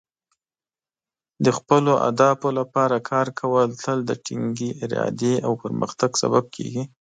د خپلو اهدافو لپاره کار کول تل د ټینګې ارادې او پرمختګ سبب کیږي.